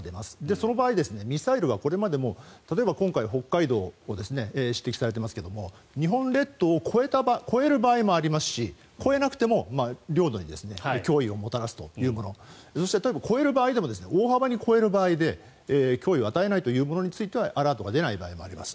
その場合ミサイルはこれまでも例えば今回は北海道が指摘されていますが日本列島を越える場合もありますし越えなくても脅威を与えるものそして、例えば越える場合でも大幅に越える場合で脅威を与えないものについてはアラートが出ないものもあります。